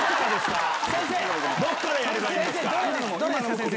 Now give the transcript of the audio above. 先生。